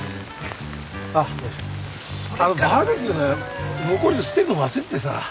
あっあのバーベキューの残り捨てるの忘れててさ。